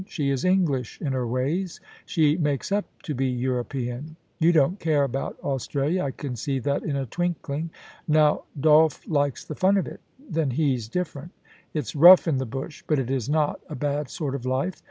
She is English in her ways. She makes up to be European. You don't care about Australia ; I can see that in a twinkling. Now Dolph likes the fun of it Then he's different It's rough in the bush, but it is not a bad sort of life.